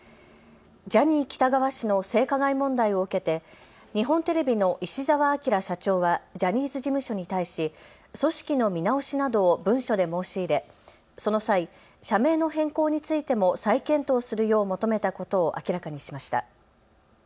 ジャニー喜多川氏の性加害問題を受けて日本テレビの石澤顕社長はジャニーズ事務所に対し組織の見直しなどを文書で申し入れその際、社名の変更についても再検討するよう求めたことを明らかにしました。